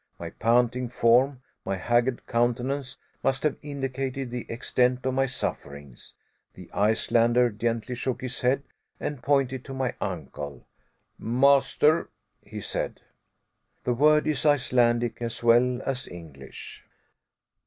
My panting form, my haggard countenance, must have indicated the extent of my sufferings. The Icelander gently shook his head and pointed to my uncle. "Master," he said. The word is Icelandic as well as English.